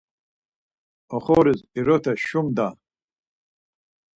Oxoris irote şum da!